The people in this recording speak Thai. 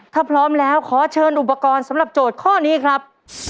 ถ้าพร้อมแล้วขอเชิญอุปกรณ์สำหรับโจทย์ข้อนี้ครับ